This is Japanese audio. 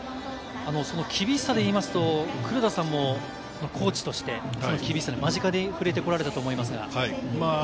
厳しさで言いますと、黒田さんもコーチとして、厳しさを間近で触れてこられたと思いますが。